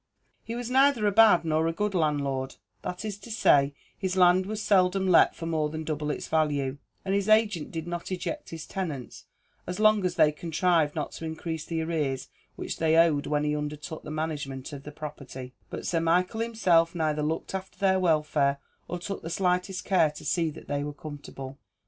He was neither a bad nor a good landlord that is to say, his land was seldom let for more than double its value; and his agent did not eject his tenants as long as they contrived not to increase the arrears which they owed when he undertook the management of the property; but Sir Michael himself neither looked after their welfare, or took the slightest care to see that they were comfortable.